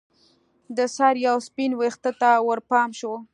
د سر یوه سپین ویښته ته ورپام شو